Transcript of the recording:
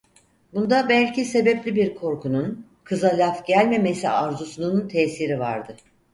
Bunda belki sebepli bir korkunun, kıza laf gelmemesi arzusunun tesiri vardı.